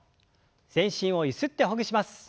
全身をゆすってほぐします。